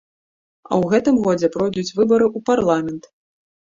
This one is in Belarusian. А ў гэтым годзе пройдуць выбары ў парламент.